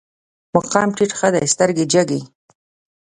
مقام ټيټ ښه دی، سترګې جګې